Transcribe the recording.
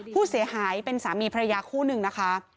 ผู้เสียหายเป็นสามีพระยาคู่หนึ่งนะคะ